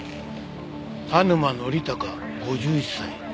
田沼典孝５１歳。